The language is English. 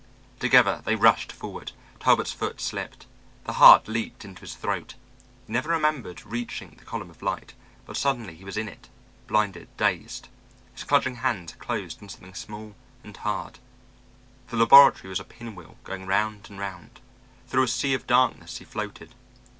Together they rushed forward. Talbot's foot slipped. The heart leaped into his throat. He never remembered reaching the column of light; but suddenly he was in it, blinded, dazed. His clutching hands closed on something small and hard. The laboratory was a pinwheel going round and round. Through a sea of darkness he floated.